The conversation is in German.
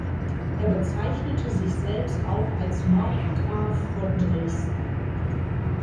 Er bezeichnete sich selbst auch als Markgraf von Dresden.